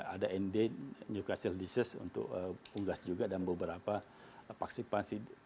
ada nd juga sel disus untuk unggas juga dan beberapa vaksin vaksin